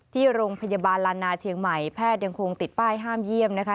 ที่โรงพยาบาลลานาเชียงใหม่แพทย์ยังคงติดป้ายห้ามเยี่ยมนะคะ